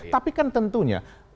tapi kan tentunya